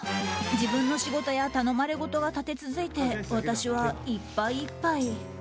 自分の仕事や頼まれごとが立て続いて私は、いっぱいいっぱい。